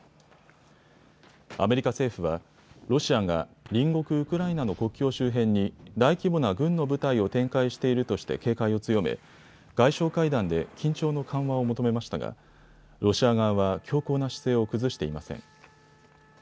アメリカ政府はロシアが、隣国ウクライナの国境周辺に大規模な軍の部隊を展開しているとして警戒を強め外相会談で緊張の緩和を求めましたがロシア側は強硬な姿勢を崩していません。